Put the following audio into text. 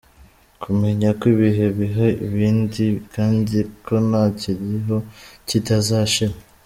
Kumenya ko ibihe biha ibindi kandi ko nta kiriho kitazashira.